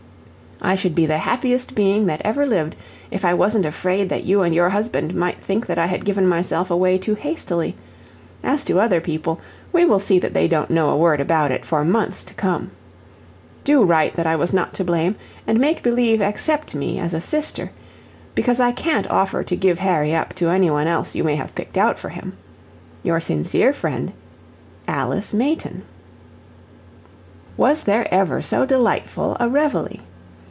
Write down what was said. I should be the happiest being that ever lived, if I wasn't afraid that you and your husband might think that I had given myself away too hastily. As to other people, we will see that they don't know a word about it for months to come. "DO write that I was not to blame, and make believe accept me as a sister, because I CAN'T offer to give Harry up to any one else you may have picked out for him. "Your sincere friend, "ALICE MAYTON." Was there ever so delightful a reveille?